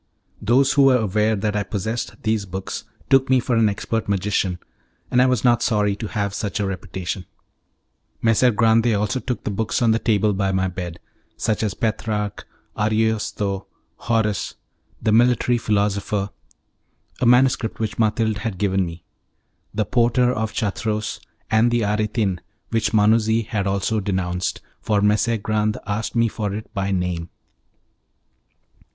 Those who were aware that I possessed these books took me for an expert magician, and I was not sorry to have such a reputation. Messer Grande took also the books on the table by my bed, such as Petrarch, Ariosto, Horace. "The Military Philosopher" (a manuscript which Mathilde had given me), "The Porter of Chartreux," and "The Aretin," which Manuzzi had also denounced, for Messer Grande asked me for it by name.